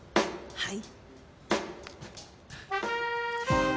はい。